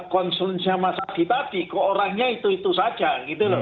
concernnya mas adi tadi ke orangnya itu itu saja gitu loh